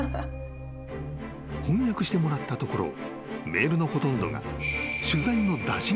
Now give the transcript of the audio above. ［翻訳してもらったところメールのほとんどが］